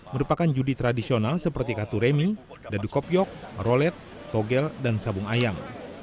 merupakan judi tradisional seperti katu remi dadu kopiok rolet togel dan sabung ayam